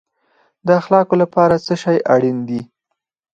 د اخلاقو لپاره څه شی اړین دی؟